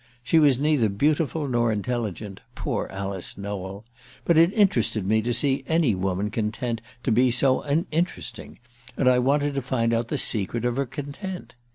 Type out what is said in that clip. She was neither beautiful nor intelligent poor Alice Nowell! but it interested me to see any woman content to be so uninteresting, and I wanted to find out the secret of her content.